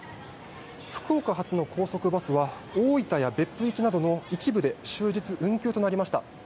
福岡発の高速バスは大分や別府行きなどの一部で終日運休となりました。